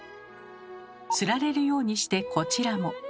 つられるようにしてこちらも。